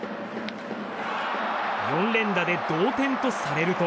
４連打で同点とされると。